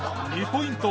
０ポイント！